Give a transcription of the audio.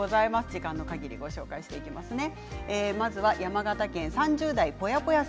時間のかぎりご紹介していきますね。